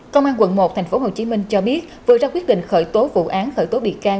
công an quận một tp hcm cho biết vừa ra quyết định khởi tố vụ án khởi tố bị can